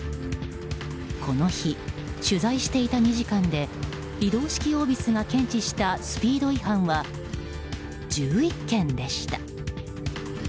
この日、取材していた２時間で移動式オービスが検知したスピード違反は１１件でした。